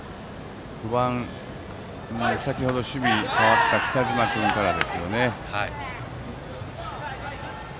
先程、守備が代わった北嶋君からですね。